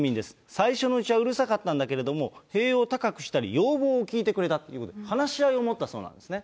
最初のうちはうるさかったんだけれども、塀を高くしたり、要望を聞いてくれたということで、話を持ったそうなんですね。